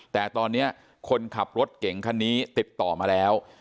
แต่ตอนนี้คนขับรถเก่งคันนี้ติดต่อมาแล้ว